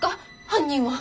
犯人は。